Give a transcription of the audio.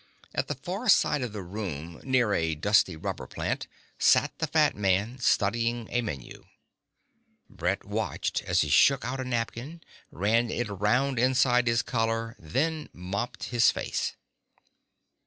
At the far side of the room, near a dusty rubber plant, sat the fat man, studying a menu. As Brett watched he shook out a napkin, ran it around inside his collar, then mopped his face.